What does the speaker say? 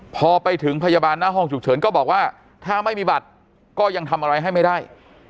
พอไปถึงพยาบาลหน้าห้องฉุกเฉินก็บอกว่าถ้าไม่มีบัตรก็ยังทำอะไรให้ไม่ได้